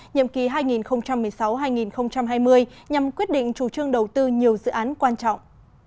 nhiệm kỳ hai nghìn một mươi sáu hai nghìn hai mươi nhằm quyết định chủ trương đầu tư nhiều dự án quan trọng